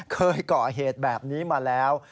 เคยก่อเหตุแบบนี้มาแล้ว